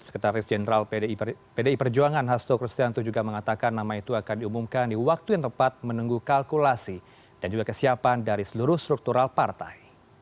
sekretaris jenderal pdi perjuangan hasto kristianto juga mengatakan nama itu akan diumumkan di waktu yang tepat menunggu kalkulasi dan juga kesiapan dari seluruh struktural partai